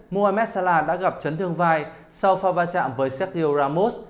mohamed salah đã gặp trấn thương vai sau pha va chạm với sergio ramos